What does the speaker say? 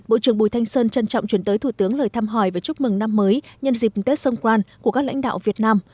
bộ trưởng bùi thanh sơn trân trọng chuyển tới thủ tướng lời thăm hỏi và chúc mừng năm mới nhân dịp tết sông quang của các lãnh đạo việt nam